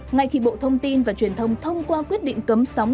ngay khi bộ thông tin và truyền thông thông qua quyết định cấm sóng